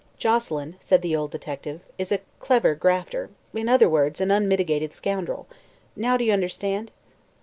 "Joselyn," said the old detective, "is a clever grafter in other words, an unmitigated scoundrel. Now do you understand?"